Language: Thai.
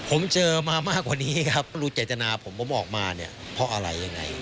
ผมเจอมามากกว่านี้ครับรู้เจตนาผมผมออกมาเนี่ยเพราะอะไรยังไง